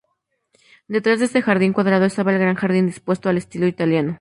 Detrás de este jardín cuadrado estaba el gran jardín dispuesto al estilo italiano.